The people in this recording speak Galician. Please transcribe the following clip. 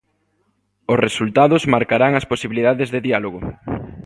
Os resultados marcarán as posibilidades de diálogo.